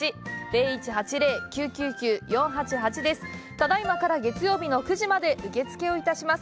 ただいまから月曜日の９時まで受け付けをいたします。